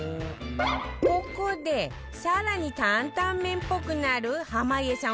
ここで更に担々麺っぽくなる濱家さん